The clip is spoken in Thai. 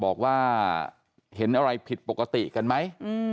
บอกว่าเห็นอะไรผิดปกติกันไหม